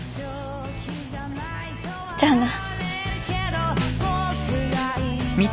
じゃあな。